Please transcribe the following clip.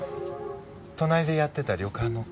隣でやってた旅館の子。